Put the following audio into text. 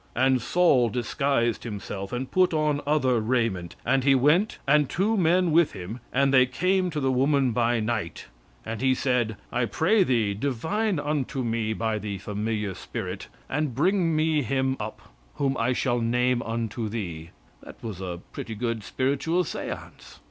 "And Saul disguised himself and put on other raiment, and he went, and two men with him, and they came to the woman by night; and he said, I pray thee, divine unto me by the familiar spirit, and bring me him up whom I shall name unto thee. [That was a pretty good spiritual seance.